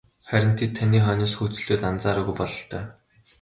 Харин тэд таны хойноос хөөцөлдөөд анзаараагүй бололтой.